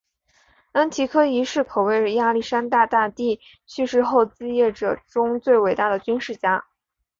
安提柯一世可谓亚历山大大帝去世后继业者中最伟大的军事家。